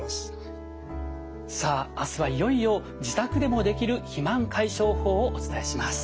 さあ明日はいよいよ自宅でもできる肥満解消法をお伝えします。